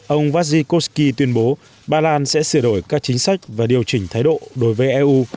ông vasi kosky tuyên bố ba lan sẽ sửa đổi các chính sách và điều chỉnh thái độ đối với eu